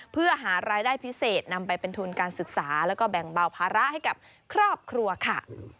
เพื่อหารายได้พิเศษนำไปเป็นทุนการศึกษาแล้วก็แบ่งเบาภาระให้กับครอบครัวค่ะ